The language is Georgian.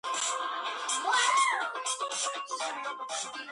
ლოს ანჯელესში თანამედროვე ხელოვნების ინსტალაცია გაიხსნა.